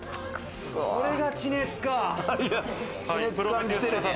これが地熱か。